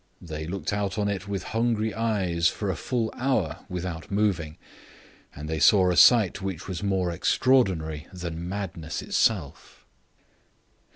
They looked out on it with hungry eyes for a full hour without moving, and they saw a sight which was more extraordinary than madness itself.